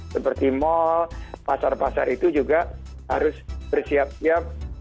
seperti mal pasar pasar itu juga harus bersiap siap